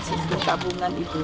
sistem tabungan ibu